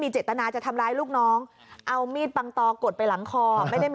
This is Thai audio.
จะจะบรรคออยู่แล้วไง